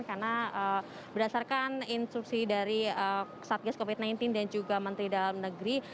karena berdasarkan instruksi dari satgas covid sembilan belas dan juga menteri dalam negeri